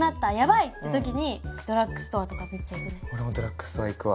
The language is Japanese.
俺もドラッグストア行くわ。